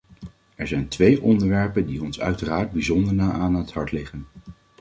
Er zijn twee onderwerpen die ons uiteraard bijzonder na aan het hart liggen.